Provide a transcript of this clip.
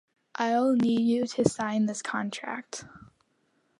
I’ll need you to sign this contract.